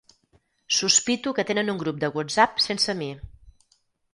Sospito que tenen un grup de whatsapp sense mi.